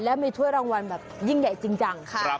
และมีถ้วยรางวัลแบบยิ่งใหญ่จริงจัง